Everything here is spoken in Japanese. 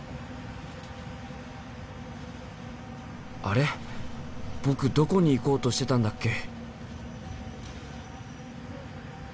あれ僕どこに行こうとしてたんだっけ？